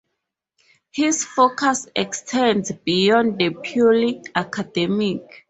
His focus extends beyond the purely academic.